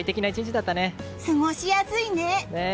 過ごしやすいね。